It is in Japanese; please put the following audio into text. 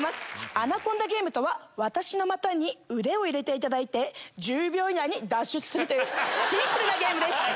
アナコンダゲームとは私の股に腕を入れていただいて１０秒以内に脱出するというシンプルなゲームです。